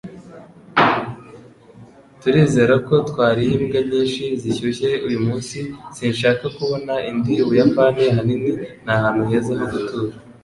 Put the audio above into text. Turizera ko twariye imbwa nyinshi zishyushye uyumunsi. Sinshaka kubona indi Ubuyapani, ahanini, ni ahantu heza ho gutura.